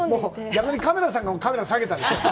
逆にカメラさんがカメラを下げたでしょう？